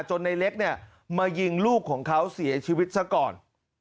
ในเล็กเนี่ยมายิงลูกของเขาเสียชีวิตซะก่อน